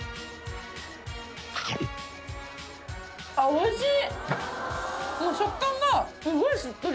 おいしい！